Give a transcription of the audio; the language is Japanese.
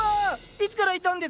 いつからいたんですか